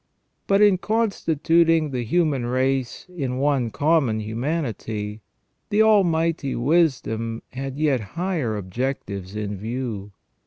But in constituting the human race in one common humanity, the Almighty Wisdom had yet higher objects in view.